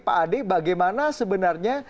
pak ade bagaimana sebenarnya